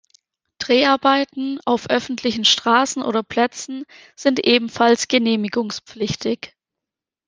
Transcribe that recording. Dreharbeiten auf öffentlichen Straßen oder Plätzen sind ebenfalls genehmigungspflichtig.